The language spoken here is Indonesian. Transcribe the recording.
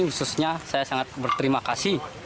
khususnya saya sangat berterima kasih